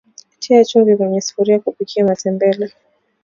Tia chumvi kwenye sufuria kupikia matembele